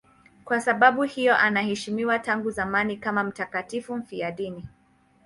Kwa sababu hiyo anaheshimiwa tangu zamani kama mtakatifu mfiadini.